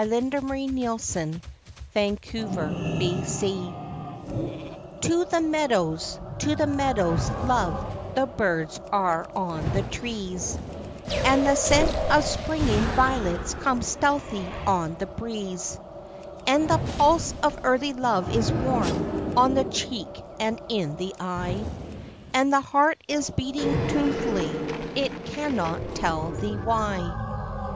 Hon. Mrs. Norton . A BIRTHDAY WALK. 'T'O the meadows, to the meadows, love, the birds are on the trees, And the scent of springing violets comes stealthy on the breeze, And the pulse of early love is warm, on the cheek and in the eye, And the heart is beating tunefully, — it cannot tell thee why.